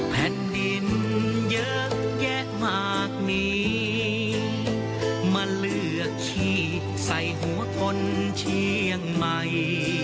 เพื่อขี้ใส่หัวทนเชียงใหม่